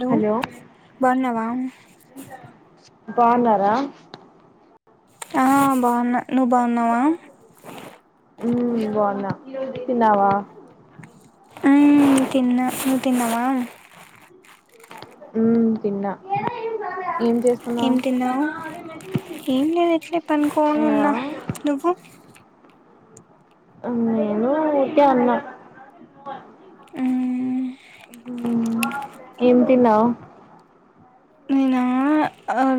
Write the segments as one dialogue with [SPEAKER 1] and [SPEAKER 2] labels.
[SPEAKER 1] లో
[SPEAKER 2] హలో
[SPEAKER 1] బావున్నవా
[SPEAKER 2] బావున్నారా
[SPEAKER 1] ఆ బావున్నా
[SPEAKER 2] ఉమ్ బావున్నా తిన్నావా
[SPEAKER 1] ఉమ్ తిన్నా, నువు తిన్నవా
[SPEAKER 2] ఉమ్ తిన్నా ఏం చేస్తున్నావ్
[SPEAKER 1] ఏంతిన్నావు? ఏం లేద్ ఇట్లే
[SPEAKER 2] నేనా
[SPEAKER 1] పండుకోనున్నా, నువ్వు
[SPEAKER 2] ఆ నేన్గూడ ఊర్కే ఉన్న
[SPEAKER 1] మ్మ్,
[SPEAKER 2] హ్మ్ ఏంతిన్నావ్
[SPEAKER 1] నేనా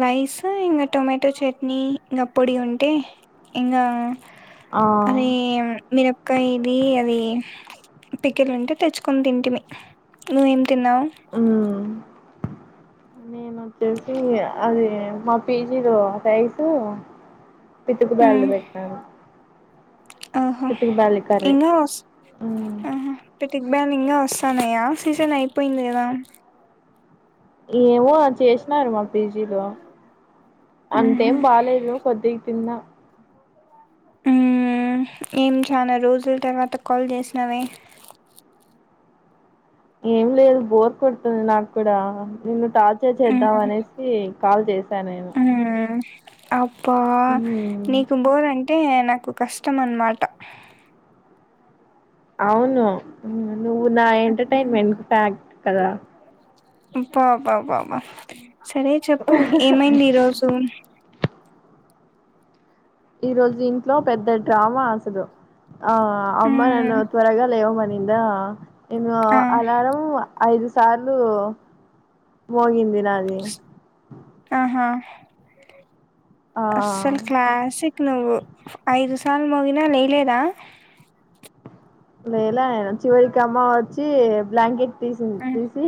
[SPEAKER 1] రైస్ ఇంకా టొమాటో చట్నీ ఇంకా పొడి ఉంటే ఇంకా
[SPEAKER 2] ఆ
[SPEAKER 1] అదే మిినపకాయ ఇది అది పికెలు ఉంటే తెచ్చుకొని తింటివి నువ్వేం తిన్నావు
[SPEAKER 2] మ్మ్ నేను వచ్చేసి అది మా పీజీలు టైసు పితుకు బల్లు పెట్నాను
[SPEAKER 1] ఆహో ఇకా వస్
[SPEAKER 2] మ్మ్
[SPEAKER 1] ఆ దిగ్ బ్యానింగ్ వస్తానయా సీజన్ అయిపోయింది కదా
[SPEAKER 2] ఏ చేసినమా పిజీలో
[SPEAKER 1] మ్మ్హ.
[SPEAKER 2] అంతేం బాలేేదు కొద్ది తింద
[SPEAKER 1] ఏం చాలా రోజుల తర్వాత కాల్ చేసినావే
[SPEAKER 2] ఏం లేదు బోర్ కొడుతుంది నాకు కూడా నిన్న టార్చర్ చేద్దాం అనేసి కాల్ చేశా నేను
[SPEAKER 1] అప్పా
[SPEAKER 2] మ్మ్
[SPEAKER 1] నీకు పో ర అం అంటే నాకు కష్టం అన్నమాట
[SPEAKER 2] అవును నువ్వు నా ఎంటర్టైన్మెంట్ ఫ్యాక్ట్ కదా
[SPEAKER 1] బా బా బా బా సరే చెప్పు ఏమైంది ఈరోజు
[SPEAKER 2] ఈ రోజు ఇంట్లో పెద్ద డ్రామా అసలు ఆ అమ్
[SPEAKER 1] హ్మ్.
[SPEAKER 2] నన్ను త్వరగా లేయవ మనింద ఇను
[SPEAKER 1] ఆ!
[SPEAKER 2] అలారంమ్ ఐదు సార్లు మోగింది నాది
[SPEAKER 1] ఆహా
[SPEAKER 2] ఆ
[SPEAKER 1] అసలు క్లాసి నువ్వు ఐదు సార్ మగినా నెలేదా
[SPEAKER 2] లేలా చివరికి అమ్మ వచ్చి ప్లాంకెట్ తీసి
[SPEAKER 1] హ్మ్.
[SPEAKER 2] తీసి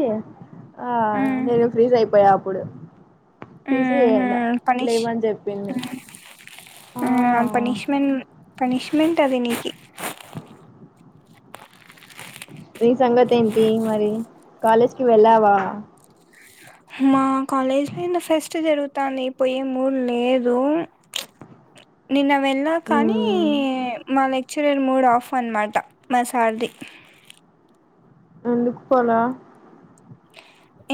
[SPEAKER 2] ఆ
[SPEAKER 1] హ్మ్.
[SPEAKER 2] నేను ఫ్రీజ్ అయిపోయా అప్పుడు
[SPEAKER 1] హుహు.
[SPEAKER 2] తీసివేయాల లేమని చెప్పింది
[SPEAKER 1] ఆ పనిష్మెంట్ పనిిష్మెంట్ అది ననికి
[SPEAKER 2] నీ సంగతి ఏంటి మరి కాలేజ్కి వెళ్ళావా
[SPEAKER 1] మా కాలేజ్ లోంత ఫస్ట్ జరుగుతుాంది పోయే ఊడు లేదు నిన్న వెళ్ళా కానీ
[SPEAKER 2] మ్మ్
[SPEAKER 1] మా లెక్చరర్ మూడు ఆఫ్ అనమాట మా సార్ది
[SPEAKER 2] ఎందుకు పోలే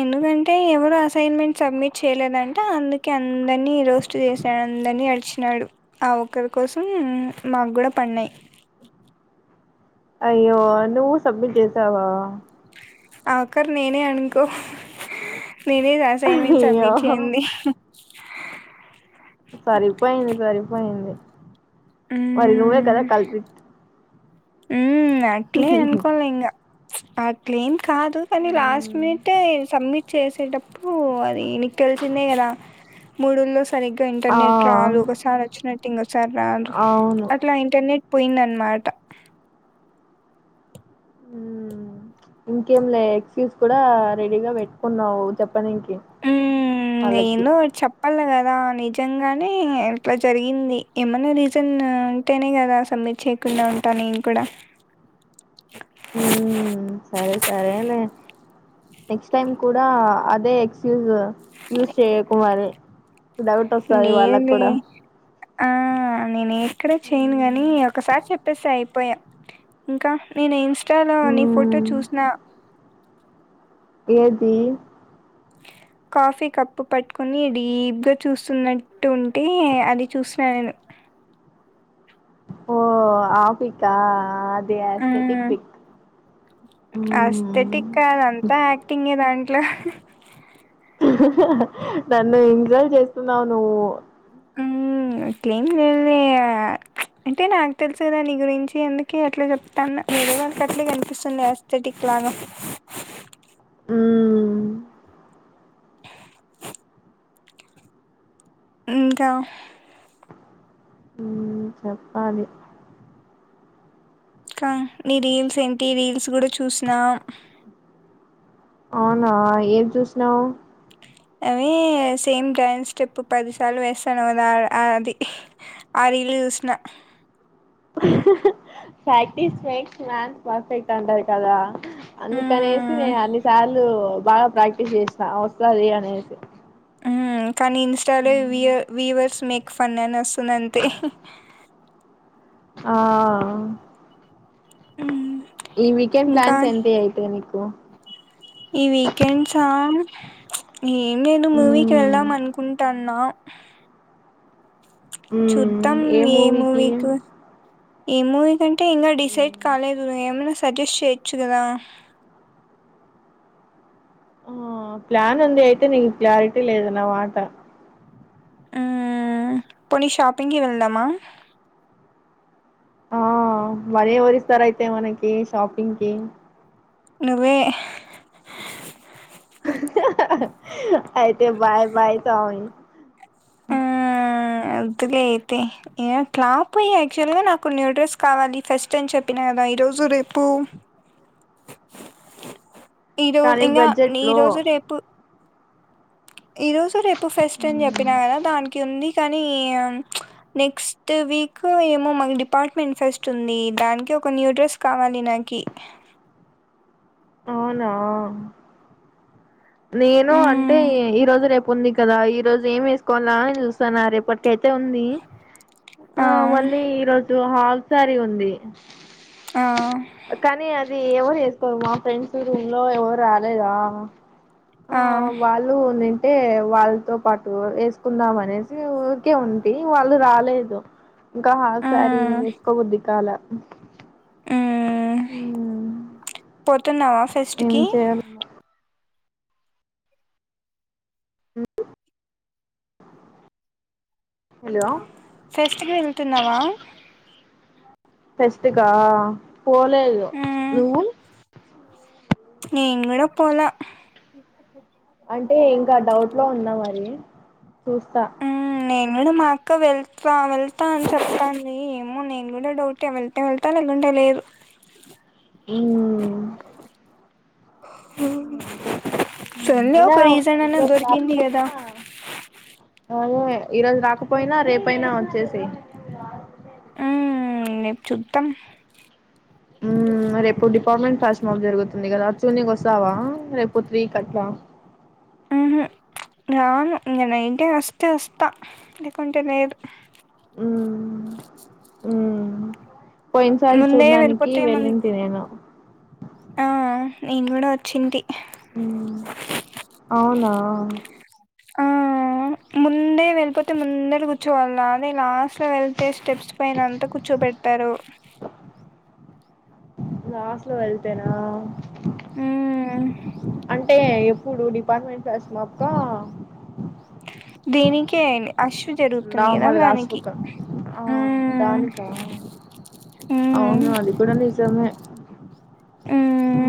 [SPEAKER 1] ఎందుకంటే ఎవరు అసైన్మెంట్ సబ్మిట్ చేయలేదంటే అందుకే దని రోస్ట్ చేసానుందని అడిచి న్నాడు ఆ ఒక్కరి కోసం మాకు కూడా పడిడాయి
[SPEAKER 2] అయ్యో నువ్వు సబ్మిట్ చేసావా
[SPEAKER 1] ఆకారు నేనేను ఇకో నేనే అసైన్మెంట్
[SPEAKER 2] అయ్యో
[SPEAKER 1] సబ్మిట్ చేయంది
[SPEAKER 2] సరిపోయింది సరిపోయింది మరి నువ్వే కదా కల్పిట్
[SPEAKER 1] హ ఆక్లి అన్కలే ఇంగ్ ఆక్లి కాదు కానీ లాస్ట్
[SPEAKER 2] మ్మ్.
[SPEAKER 1] మినిట్ సబ్మిట్ చేసేటప్పుడు అదికల్సిందే కదా మూడుళ్ సరిగ్గా
[SPEAKER 2] ఆ
[SPEAKER 1] ఇంటర్నెట్ రాదు ఒకసారి వచ్చినట్టు ఇంకకోసారి రాదు
[SPEAKER 2] అవును
[SPEAKER 1] అట్లా ఇంటర్నెట్ పోయిందన్నమాట
[SPEAKER 2] ఇంకేం లే ఎక్స్క్యూస్ కూడా రెడీగా పెట్టుకున్నావు చె చెప్ప ననికి వాళకి
[SPEAKER 1] అల్ల కదా నిజంగానే ఎట్లా జరిగింది ఏమైన్నా రీజన్ ఉంటేనే కదా అస మీరు చేయకుండా ఉంటా నేను కూడా
[SPEAKER 2] ఉ సరే సరే అలే నెక్స్ట్ టైం కూడా అదే ఎక్క్యూస్ చేయకుమరి
[SPEAKER 1] నేనే ఆ నేను ఎక్కడ చెయను
[SPEAKER 2] మ్మ్
[SPEAKER 1] గాని ఒకసారి చెప్ అటస్ అయిపోయా ఇంకా నేను ఇన్స్టాలో నీ ఫోటో
[SPEAKER 2] మ్మ్.
[SPEAKER 1] చూస్న
[SPEAKER 2] ఏది
[SPEAKER 1] కాఫీ కప్పు పట్టుకొని డీప్గా చూస్తున్నట్టు ఉంటే అది చూసిన నేను
[SPEAKER 2] అబ్బో ఆఫీకా
[SPEAKER 1] అ
[SPEAKER 2] మ్మ్
[SPEAKER 1] అస్తెటిక్ అదంతా ఆక్టింగే దాన్ ఇట్లా
[SPEAKER 2] నన్ను ఇన్సల్ట్ చేస్తున్నావు నువ్వు
[SPEAKER 1] అ అట్లేమ్ లేదు లే అంటే నాకు తెలుసుదా నీ గురించి అందుకే అట్లా చెప్తాన్న వేరేవాళ్లకి అట్లే కనిపిస్తుంది ఎస్తేటిక్ బాగా
[SPEAKER 2] అ
[SPEAKER 1] ఇంకా
[SPEAKER 2] హ్మ్ చెప్పాలి
[SPEAKER 1] కా నీ రీల్స్ ఏంటి రీల్స్ కూడా చూసినా
[SPEAKER 2] అవునా ఏం చూసినావ్
[SPEAKER 1] అవి సేమ్ డ్యాన్స్ స్టెప్ పదిసార్లు వేస్తానవ్ అది అ రీల్ చూసినా
[SPEAKER 2] హ్మ్మ్ ప్రాక్టీస్ మేక్స్ మ్యాన్ పర్ఫెక్ట్ అంటారు కదా అందుకనేసి
[SPEAKER 1] హ్మ్.
[SPEAKER 2] నేను అన్ని సార్లు బాగా ప్రాక్టీస్ చేసినా వస్తది అనేసి
[SPEAKER 1] హ్మ్ కానీ ఇంస్టాలో వివర్ వివర్స్ మేక్ ఫన్ అని వస్తుంది అంతే
[SPEAKER 2] ఆ
[SPEAKER 1] హ్మ్
[SPEAKER 2] ఈ వీకెండ్
[SPEAKER 1] ఇంకా
[SPEAKER 2] ప్లాన్స్ ఏంటి అయితే నీకు
[SPEAKER 1] ఈ వీకెండ్సా ఏం లేదు మూవీకి
[SPEAKER 2] మ్మ్
[SPEAKER 1] వెళ్దాం అనుకుంటాన్నా
[SPEAKER 2] మ్మ్
[SPEAKER 1] చూద్దాం
[SPEAKER 2] ఏ
[SPEAKER 1] ఏమ్
[SPEAKER 2] మూవీకి
[SPEAKER 1] మూవీకో ఎ మూవీ కంటే ఇంగా డిసైడ్ కాలేదు ఏమైనా సజెస్ట్ చేయొచ్చు కదా
[SPEAKER 2] ఆ ప్లాన్ ఉంది అయితే నీకు క్లారిటీ లేదు నా మాట
[SPEAKER 1] అ పోనీ షాపింగ్కి వెళ్దమా
[SPEAKER 2] ఆ మనీ ఎవరు ఇస్తారు అయితే మనకి షాపింగ్కి
[SPEAKER 1] నువ్వే
[SPEAKER 2] అయితే బాయ్ బాయ్ సామీ అ
[SPEAKER 1] ఆ వద్దులే అయితే ఇంగ క్లాప్ పోయి యాక్చువల్ గా నాకు న్యూ డ్రెస్ కావాలి ఫస్ట్ అని చెప్పిన కదా ఈరోజు రేపు ఈ రో
[SPEAKER 2] కానీ
[SPEAKER 1] ఇంగ
[SPEAKER 2] బడ్జెట్
[SPEAKER 1] ఈ
[SPEAKER 2] లో
[SPEAKER 1] రోజు రేపు ఈ రోజు రేపు ఫెస్ట్ అని చెప్పినా కదా దానికి ఉంది ని నెక్స్ట్ వీక్ ఏమో మా డిపార్ట్మెంట్ ఫెస్ట్ ఉంది దానికి ఒక న్యూ డ్రెస్ కావాలి నాకి
[SPEAKER 2] అవునా నేను అంటే
[SPEAKER 1] మ్మ్.
[SPEAKER 2] ఈ రోజు రేపు ఉంది కదా ఈ రోజు ఏం వేసుకోవాలా అని చూస్తాన్న రేపటి కెతే ఉంది ఆ మళ్ళీ ఈరోజు హాఫ్ సారీ ఉంది
[SPEAKER 1] ఆ
[SPEAKER 2] కానీ ఎవరు వేసుకోమా ఫ్రెండ్స్ రూమ్ లో ఎవరు రాలేదా ఆ వాళ్ళు ని అంటే వాళ్ళతో పాటు వేసుకుందాం అనేసి ఊరికే ఉంటే వాళ్ళు రాలేదు ఇంకా హాఫ్ సారీ
[SPEAKER 1] మ్మ్.
[SPEAKER 2] వేసుకో బుద్ధి కాలే
[SPEAKER 1] మ్మ్.
[SPEAKER 2] ఉ
[SPEAKER 1] పోతున్నావా ఫెస్ట్ కి
[SPEAKER 2] హలో
[SPEAKER 1] ఫెస్ట్ కి వెళ్తున్నావా
[SPEAKER 2] ఫెస్టకా పోలేదు
[SPEAKER 1] మ్మ్.
[SPEAKER 2] నువ్వు
[SPEAKER 1] నేను కూడా పోలా
[SPEAKER 2] అంటే ఇంకా డౌట్ లో ఉంద మరి చూస్తా
[SPEAKER 1] మ్మ్. నేను కూడా మా అక్క వెళ్తా వెళ్తా అని చెప్తోంది. ఏమో నేను కూడా డౌట్ వెళ్తే వెళ్తా లే ఉండలేదు
[SPEAKER 2] ఉ
[SPEAKER 1] మ్మ్. సర్లే
[SPEAKER 2] ఎలా
[SPEAKER 1] ఒక
[SPEAKER 2] ఉన్నావు
[SPEAKER 1] రీజన్ అన్న
[SPEAKER 2] ఈరోజు
[SPEAKER 1] దొరికింది కదా
[SPEAKER 2] రాకపోయినా అదే ఈరోజు రాకపోయినా రేపోయినా వచ్చేసే
[SPEAKER 1] ఉ రేపు చూద్దాం
[SPEAKER 2] ఉ రేపు డిపార్ట్మెంట్ ఫస్ట్ మప్ జరుగుతుంది కదా చూనీ వస్తావా రేపు త్రీ కి అట్లా ఫ్యాన్స్
[SPEAKER 1] మ్హూ.
[SPEAKER 2] సౌండ్
[SPEAKER 1] రాను నైట్ అయితే వస్తే వస్తా లేకుంటే లేదు
[SPEAKER 2] మ్మ్ మ్మ్ పోయినసారి
[SPEAKER 1] ముందే
[SPEAKER 2] చూడడానికి
[SPEAKER 1] వెళ్ళిపోతే ము
[SPEAKER 2] వెళ్ళింటి నేను
[SPEAKER 1] ఆ నేను కూడా వచ్చింటి
[SPEAKER 2] మ్మ్ అవునా
[SPEAKER 1] ఆ ముందే వెళ్ళిపోతే ముంద ర కూర్చోవాల నేను లాస్ట్ లో వెళ్తే స్టెప్స్ పైన అంతా కూర్చో పెడతారు
[SPEAKER 2] లాస్ట్ లో వెళ్తేనా
[SPEAKER 1] ఉమ్
[SPEAKER 2] అంటే ఇప్పుడు డిపార్ట్మెంట్ కోసమా అక్క
[SPEAKER 1] దీనికిఅయి అశ్వు జరుగుతుంది కదా
[SPEAKER 2] నార్మల్
[SPEAKER 1] దానికి
[SPEAKER 2] రాసిబుక్ ఆ
[SPEAKER 1] ఊ
[SPEAKER 2] దానికా అవును అది కూడా ని జామే
[SPEAKER 1] ఉ
[SPEAKER 2] ఉ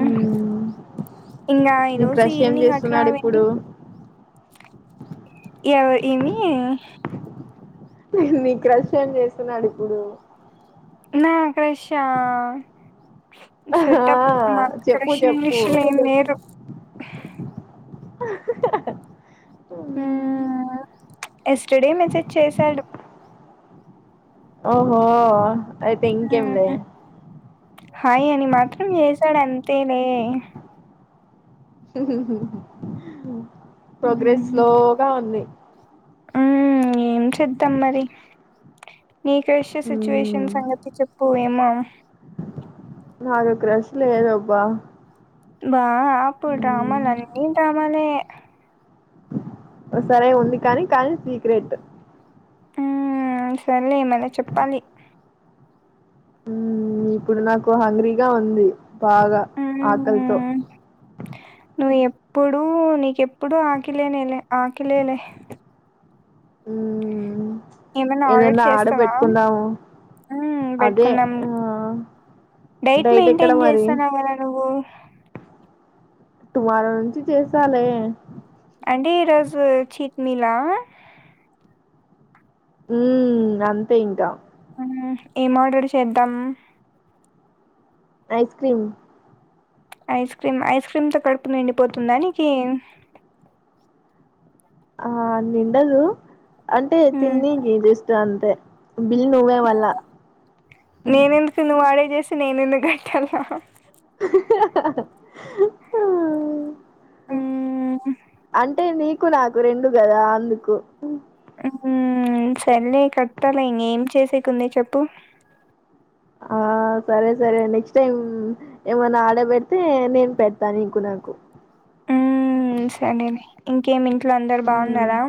[SPEAKER 1] ఇంకా ఈ రోజు ఈవినింగ్ అట్లావండి
[SPEAKER 2] ఇప్పుడు
[SPEAKER 1] ఈగ విని
[SPEAKER 2] ఇప్పుడు నీ క్రష్ ఏం చేస్తున్నాడు ఇప్పుడు
[SPEAKER 1] నా క్రెష్ యా
[SPEAKER 2] ఆ
[SPEAKER 1] చెటప్ మా
[SPEAKER 2] చెప్పు
[SPEAKER 1] క్రెష్ ఏం
[SPEAKER 2] చెప్పు
[SPEAKER 1] చేస్తలేరు
[SPEAKER 2] ఉ
[SPEAKER 1] టుడే మెసేజ్ చేశాడు
[SPEAKER 2] ఓహో అయితే ఇంకేంలే
[SPEAKER 1] ఉ హాయ్ అని మాత్రం చేసాడు అంతే లే
[SPEAKER 2] ప్రోగ్రెస్
[SPEAKER 1] హ్మ్
[SPEAKER 2] స్లోగా ఉంది
[SPEAKER 1] హ్మ్ ఏం చేద్దాం మరి నీ క్రష్ సిచ్యువేషన్
[SPEAKER 2] మ్మ్
[SPEAKER 1] సంగతి చెప్పు మరి
[SPEAKER 2] నాకు క్రష్ లేదు అబ్బా
[SPEAKER 1] బా అప్పుడు డ్రామాల నీ డ్రామాలే
[SPEAKER 2] సరే ఉంది కానీ కానీ సీక్రెట్
[SPEAKER 1] ఉ సర్లే ఏమన్నా చెప్పాలి
[SPEAKER 2] ఉ ఇప్పుడు నాకు హంగ్రీగా ఉంది బాగా ఆకలితో
[SPEAKER 1] హ్మ్ ఇప్పుడు నీకెప్పుడుూ ఆకిలేలే ఆకిలేలే
[SPEAKER 2] ఊమ్
[SPEAKER 1] ఏమైనా ఆర్డర్
[SPEAKER 2] ఏదన్న ఆడ
[SPEAKER 1] చేస్తావా
[SPEAKER 2] పెట్టుకుందాము
[SPEAKER 1] హ్మ్
[SPEAKER 2] అదే
[SPEAKER 1] పెట్టుకుందాం
[SPEAKER 2] ఆ
[SPEAKER 1] డైట్
[SPEAKER 2] ఎక్కడ
[SPEAKER 1] మెయింటైన్
[SPEAKER 2] మరి
[SPEAKER 1] చేస్సన్నావ్ గదా నువ్వు
[SPEAKER 2] టుమారో నుంచి చేస్సాలే
[SPEAKER 1] అంటే ఈరోజూ చీక్ మీలా
[SPEAKER 2] ఊమ్ అంతే ఇంకా
[SPEAKER 1] ఉహ్ ఏం ఆర్డర్ చేద్దాం
[SPEAKER 2] ice cream
[SPEAKER 1] ice cream, ice cream తో కడుపు నిండిపోతుందా నికీ
[SPEAKER 2] ఆ నిండదు అంటే
[SPEAKER 1] మ్మ్
[SPEAKER 2] తిన్నీకి జస్ట్ అంతే బిల్ నువ్వే మళ్ళా
[SPEAKER 1] నేనెందుకు నువ్ ఆడ చేస్సే నేనెందుకు కట్టాలా మ్మ్
[SPEAKER 2] అంటే నీకు నాకు రెండు గదా అందుకు
[SPEAKER 1] ఊమ్ సర్లే కట్తాలే ఇంగ ఏం చేసేకుంది చెప్పు
[SPEAKER 2] ఆ సరే సరే నెక్స్ట్ టైమ్, ఏమన్నా ఆడబెడితే నేను పెడతా నీకు నాకు.
[SPEAKER 1] ఊమ్ సనేనే ఇంకేం ఇంట్లో అందరు
[SPEAKER 2] ఉమ్
[SPEAKER 1] బాగున్నారా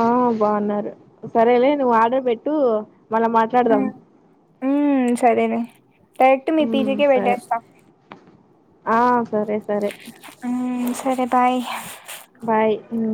[SPEAKER 2] ఆ బాగున్నారు సరేలే నువ్వు ఆర్డర్ పెట్టు మళా మాట్లాడదాం
[SPEAKER 1] ఊమ్ సరేనే డైరెక్ట్ మీ పీ జీ
[SPEAKER 2] ఉమ్
[SPEAKER 1] కే
[SPEAKER 2] సరే
[SPEAKER 1] పెట్టేస్తా
[SPEAKER 2] ఆ సరే సరే
[SPEAKER 1] మ్మ్ సరే బాయ్
[SPEAKER 2] బాయ్ ఉం